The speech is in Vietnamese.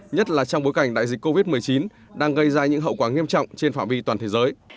nhất là trong bối cảnh đại dịch covid một mươi chín đang gây ra những hậu quả nghiêm trọng trên phạm vi toàn thế giới